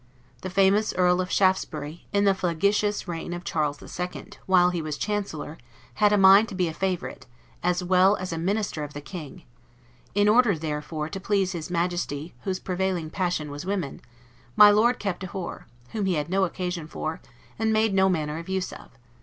The famous Earl of Shaftesbury, in the flagitious reign of Charles the Second, while he was Chancellor, had a mind to be a favorite, as well as a minister of the King; in order, therefore, to please his Majesty, whose prevailing passion was women, my Lord kept a w e, whom he had no occasion for, and made no manner of use of.